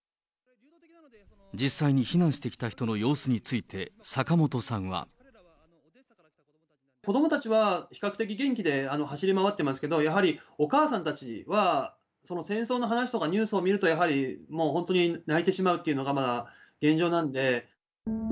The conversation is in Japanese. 実際に避難してきた人の様子について坂本さんは。子どもたちは比較的元気で、走り回ってますけど、やはりお母さんたちは、戦争の話とかニュースを見ると、やはりもう本当に、泣いてしまうっていうのが、現状なんで。